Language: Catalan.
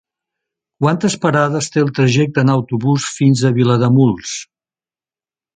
Quantes parades té el trajecte en autobús fins a Vilademuls?